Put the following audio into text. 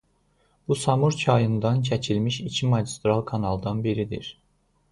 Bu Samur çayından çəkilmiş iki magistral kanaldan biridir.